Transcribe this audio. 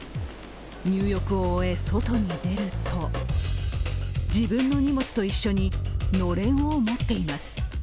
入浴を終え、外に出ると、自分の荷物と一緒にのれんを持っています。